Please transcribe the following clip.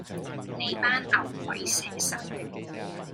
你哋班牛鬼蛇神